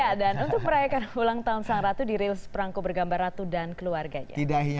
ya dan untuk merayakan ulang tahun sang ratu dirilis perangku bergambar ratu dan keluarganya